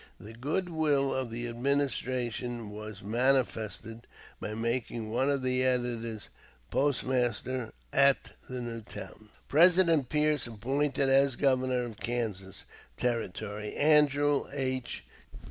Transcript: The good will of the Administration was manifested by making one of the editors postmaster at the new town. President Pierce appointed as Governor of Kansas Territory Andrew H.